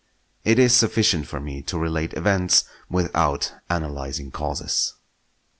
It is sufficient for me to relate events without analysing causes.